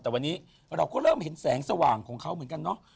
แต่วันนี้เราก็เริ่มเห็นแสงสว่างของเขาเหมือนกันเนาะ